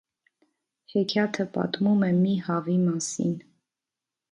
Հեքիաթը պատմում է մի հավի մասին։